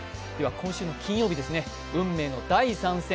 今週の金曜日、運命の第３戦。